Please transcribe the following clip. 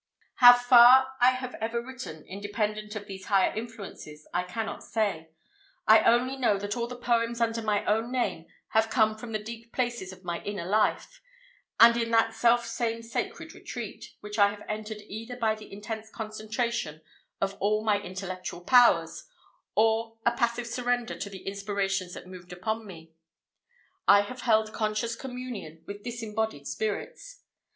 How far I have ever written, independent of these higher influences, I cannot say; I only know that all the poems under my own name have come from the deep places of my "Inner Life;" and in that self same sacred retreat which I have entered either by the intense concentration of all my intellectual powers, or a passive surrender to the inspirations that moved upon me I have held conscious communion with disembodied spirits.